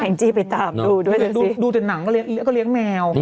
งจี้ไปตามดูด้วยดูแต่หนังก็เลี้ยงแมว